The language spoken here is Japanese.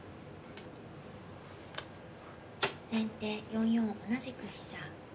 先手４四同じく飛車。